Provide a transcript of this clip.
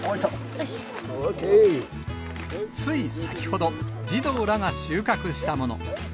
つい先ほど、児童らが収穫したもの。